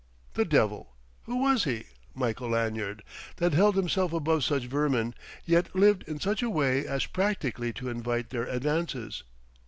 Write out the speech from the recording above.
The devil! Who was he, Michael Lanyard, that held himself above such vermin, yet lived in such a way as practically to invite their advances?